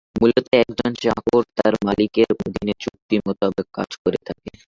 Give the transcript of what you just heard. মূলত একজন চাকর তার মালিকের অধীনে চুক্তি মোতাবেক কাজ করে থাকে।